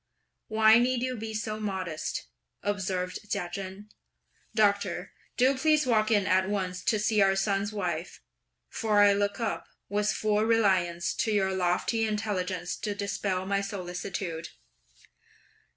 "Why need you be so modest?" observed Chia Chen; "Doctor, do please walk in at once to see our son's wife, for I look up, with full reliance, to your lofty intelligence to dispel my solicitude!"